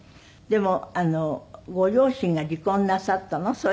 でもご両親が離婚なさったの？